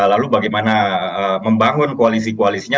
lalu bagaimana membangun koalisi koalisinya